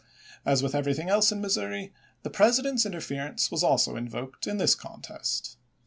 As with every thing else in Missouri, the President's intervention was also invoked in this contest.